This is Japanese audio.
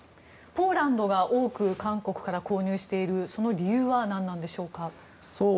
ポーランドが多く韓国から購入しているその理由は何なんでしょうか。